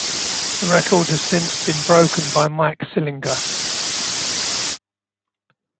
The record has since been broken by Mike Sillinger.